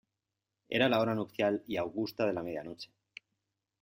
era la hora nupcial y augusta de la media noche .